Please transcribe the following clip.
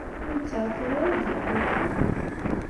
Ur yettɛeṭṭil ara ad d-yeɣli ṭṭlam.